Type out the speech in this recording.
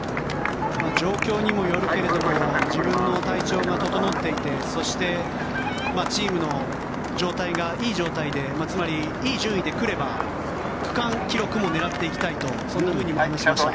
状況にもよるけれども自分の体調が整っていてそして、チームの状態がいい状態でつまりいい順位で来れば区間記録も狙っていきたいとそんなふうにも話しました。